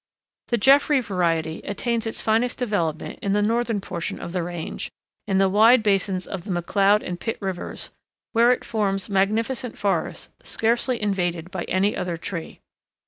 The Jeffrey variety attains its finest development in the northern portion of the range, in the wide basins of the McCloud and Pitt rivers, where it forms magnificent forests scarcely invaded by any other tree.